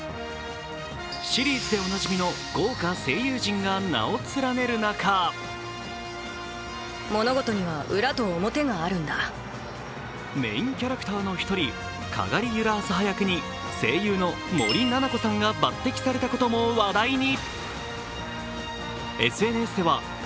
シリーズでおなじみの豪華声優陣が名を連ねる中メインキャラクターの１人、カガリ・ユラ・アスハ役に声優の森なな子さんが抜てきされたことも話題に。